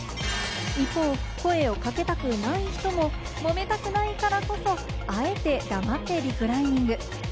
一方、声をかけたくない人も揉めたくないからこそ、あえて黙ってリクライニング。